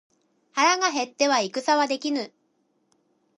腹が減っては戦はできぬ。